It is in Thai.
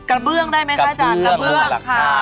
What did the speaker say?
กระเบื้องได้ไหมคะจ๊ะ